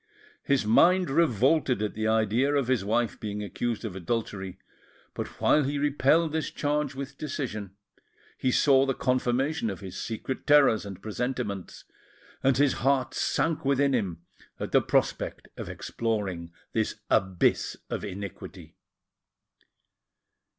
His mind revolted at the idea of his wife being accused of adultery; but while he repelled this charge with decision, he saw the confirmation of his secret terrors and presentiments, and his heart sank within him at the prospect of exploring this abyss of iniquity.